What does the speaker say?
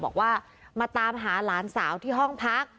บอกว่ามาตามหาหลานสาวที่ห้องพัก